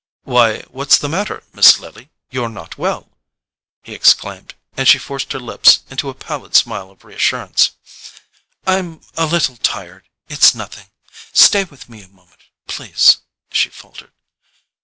"Why, what's the matter, Miss Lily? You're not well!" he exclaimed; and she forced her lips into a pallid smile of reassurance. "I'm a little tired—it's nothing. Stay with me a moment, please," she faltered.